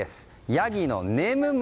ヤギのねむむ